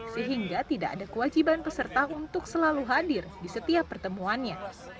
sehingga tidak ada kewajiban peserta untuk selalu hadir di setiap pertemuannya